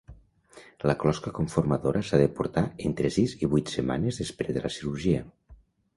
La closca conformadora s'ha de portar entre sis i vuit setmanes després de la cirurgia.